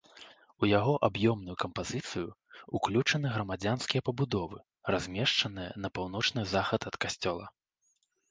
У яго аб'ёмную кампазіцыю ўключаны грамадзянскія пабудовы, размешчаныя на паўночны захад ад касцёла.